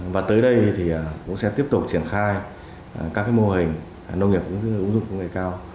và tới đây thì cũng sẽ tiếp tục triển khai các mô hình nông nghiệp ứng dụng ứng dụng công nghệ cao